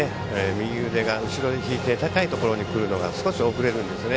右腕が後ろに引いて高いところにくるのが少し遅れるんですね。